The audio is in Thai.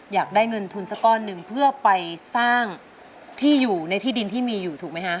อยากได้เงินทุนสักก้อนนึงเพื่อไปสร้างที่ดินที่มีถูกมั้ยฮะ